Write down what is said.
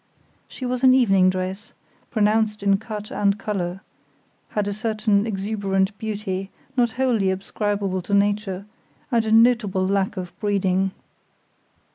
She was in evening dress, pronounced in cut and colour; had a certain exuberant beauty, not wholly ascribable to nature, and a notable lack of breeding.